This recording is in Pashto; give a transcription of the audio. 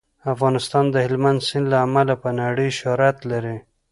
افغانستان د هلمند سیند له امله په نړۍ شهرت لري.